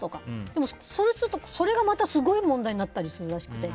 でも、それがまたすごい問題になったりするらしくて。